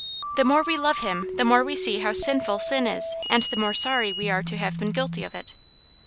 The more we love Him the more we see how sinful sin is, and the more sorry we are to have been guilty of it."